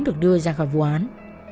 được đưa ra khỏi vụ án